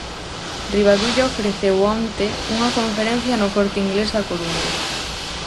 Rivadulla ofreceu onte unha conferencia no Corte Inglés da Coruña.